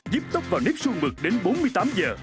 giúp tóc vào nếp sương mực đến bốn mươi tám h